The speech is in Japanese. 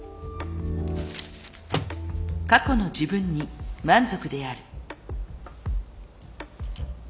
過去の自分に満足である。